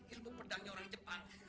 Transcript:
ilmu pedangnya orang jepang